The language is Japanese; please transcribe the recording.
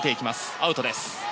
アウトです。